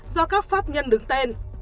do các pháp nhân đứng tên